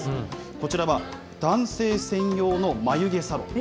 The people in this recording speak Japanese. こちらは男性専用の眉毛サロン。